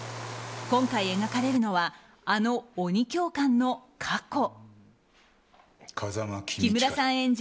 今回描かれるのはあの鬼教官の過去。